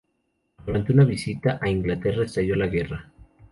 Durante una visita a Inglaterra, estalló la guerra.